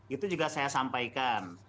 itu juga saya sampaikan